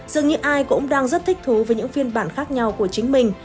dường như ai cũng đang rất thích thú với những phiên bản khác nhau của chính mình